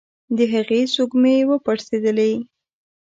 د هغې سږمې وپړسېدلې.